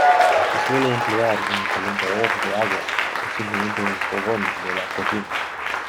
Se suele emplear un calentador de agua, o simplemente un fogón de la cocina.